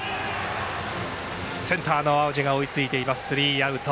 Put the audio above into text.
センターの淡路が追いついてスリーアウト。